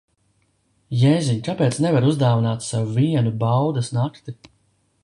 Jēziņ, kāpēc nevari uzdāvināt sev vienu baudas nakti?